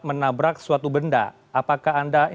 menabrak suatu benda apakah anda